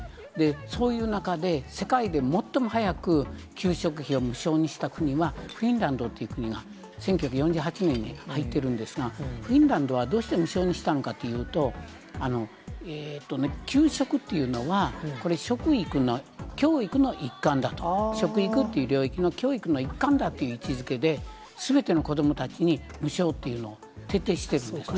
そういう中で、世界で最も早く給食費を無償にした国はフィンランドという国が１９４８年に入ってるんですが、フィンランドはどうして無償にしたのかっていうと、給食っていうのは、これ、食育の、教育の一環だと、食育っていう領域の教育の一環だという位置づけで、すべての子どもたちに無償というのを徹底してるんですね。